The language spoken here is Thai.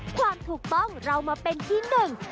ความถูกต้องเรามาเป็นที่หนึ่ง